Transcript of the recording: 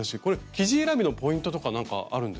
生地選びのポイントとか何かあるんですか？